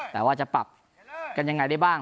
แต่ว่าจะปรับกันยังไงได้บ้าง